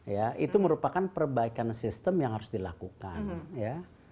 ya itu merupakan perbaikan sistem yang harus dilakukan ya